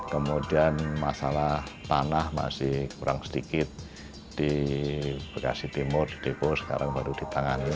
kemudian masalah tanah masih kurang sedikit di bekasi timur di depo sekarang baru ditangani